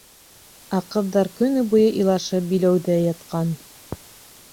Ә ҡыҙҙар көнө буйы илашып биләүҙә ятҡан.